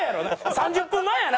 ３０分前やな！